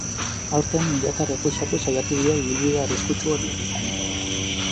Aurten, milaka errefuxiatu saiatu dira ibilbide arriskutsu hori egiten.